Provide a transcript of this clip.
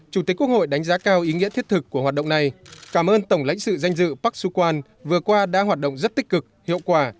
chủ tịch quốc hội đánh giá cao ý nghĩa thiết thực của hoạt động này cảm ơn tổng lãnh sự danh dự park sukhan vừa qua đã hoạt động rất tích cực hiệu quả